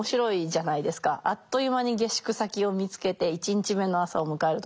あっという間に下宿先を見つけて１日目の朝を迎えるところ。